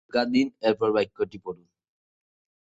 পিতা মোসলেম মিয়া ও মাতা জোহরা বেগম।